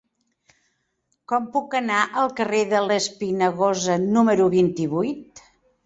Com puc anar al carrer de l'Espinagosa número vint-i-vuit?